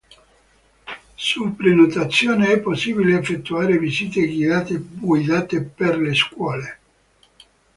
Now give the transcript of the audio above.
Su prenotazione è possibile effettuare visite guidate per le scuole.